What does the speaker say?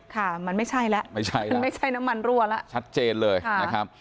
ค่ะมันไม่ใช่แล้วไม่ใช่มันไม่ใช่น้ำมันรั่วแล้วชัดเจนเลยนะครับ